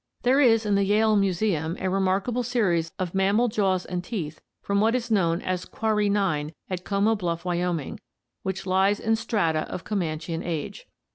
There is in the Yale Museum a remarkable series of mammal jaws and teeth from what is known as "Quarry 9" at Como Bluff, Wyoming, which lies in strata of Comanchian age.